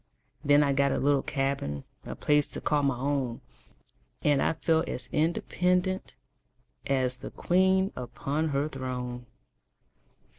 Then I got a little cabin A place to call my own And I felt as independent As the queen upon her throne.